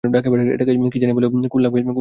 এটাকে জানি কি বলে কুল, কুল লাগবে তোমাকে।